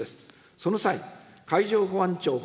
その際、海上保安庁法